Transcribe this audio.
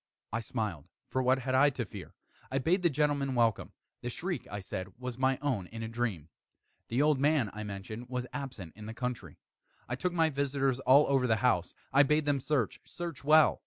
I smiled, for what had I to fear? I bade the gentlemen welcome. The shriek, I said, was my own in a dream. The old man, I mentioned, was absent in the country. I took my visitors all over the house. I bade them search search well.